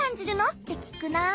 ってきくなあ。